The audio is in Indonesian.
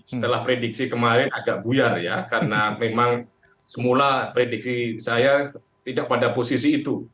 setelah prediksi kemarin agak buyar ya karena memang semula prediksi saya tidak pada posisi itu